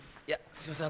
すいません。